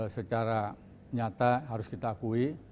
secara nyata harus kita akui